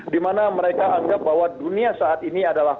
dimana mereka anggap bahwa dunia saat ini adalah